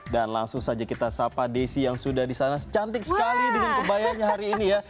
dan langsung saja kita sapa desi yang sudah di sana cantik sekali dengan kebayangnya hari ini ya